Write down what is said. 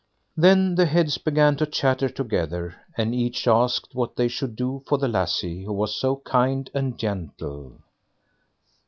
Then the heads began to chatter together, and each asked what they should do for the lassie who was so kind and gentle.